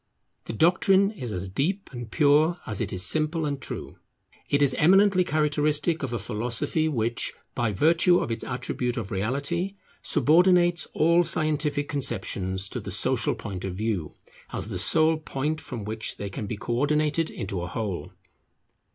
The doctrine is as deep and pure as it is simple and true. It is eminently characteristic of a philosophy which, by virtue of its attribute of reality, subordinates all scientific conceptions to the social point of view, as the sole point from which they can be co ordinated into a whole.